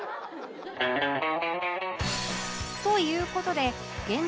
という事で現状